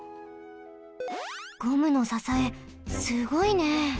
ゴムのささえすごいね！